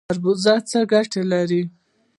خربوزه څه ګټه لري؟